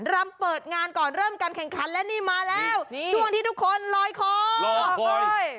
รำเปิดงานก่อนเริ่มการแข่งขันและนี่มาแล้วช่วงที่ทุกคนลอยคอ